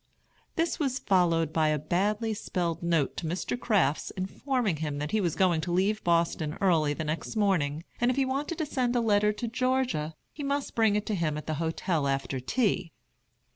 This was followed by a badly spelled note to Mr. Crafts, informing him that he was going to leave Boston early the next morning, and if he wanted to send a letter to Georgia he must bring it to him at the hotel after tea.